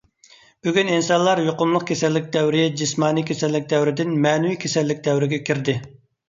بۈگۈن ئىنسانلار يۇقۇملۇق كېسەللىك دەۋرى، جىسمانىي كېسەللىك دەۋرىدىن مەنىۋى كېسەللىك دەۋرىگە كىردى.